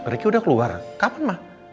riki udah keluar kapan ma